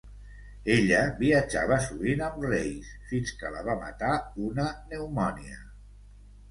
Ella viatjava sovint amb Race fins que la va matar una pneumònia.